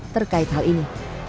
terkait hal ini